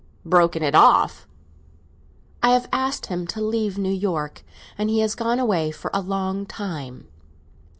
"Broken it off?" "I have asked him to leave New York, and he has gone away for a long time."